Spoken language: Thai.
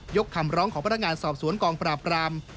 คำร้องของพนักงานสอบสวนกองปราบราม